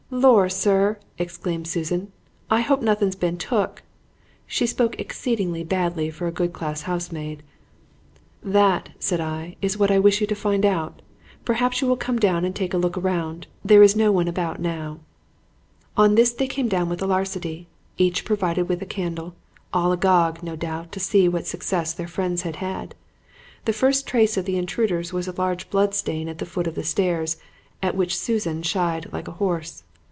"'Lor', sir!' exclaimed Susan, 'I hope nothing's been took.' (She spoke exceedingly badly for a good class housemaid.) "'That,' said I, 'is what I wish you to find out. Perhaps you will come down and take a look round. There is no one about now.' "On this they came down with alacrity, each provided with a candle, all agog, no doubt, to see what success their friends had had. The first trace of the intruders was a large blood stain at the foot of the stairs, at which Susan shied like a horse.